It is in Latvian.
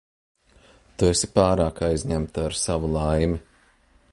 Tu esi pārāk aizņemta ar savu laimi.